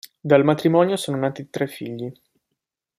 Dal matrimonio sono nati tre figli.